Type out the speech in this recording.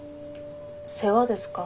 世話ですか？